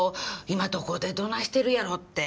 今どこでどないしてるやろうって。